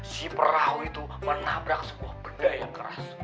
si perahu itu menabrak sebuah benda yang keras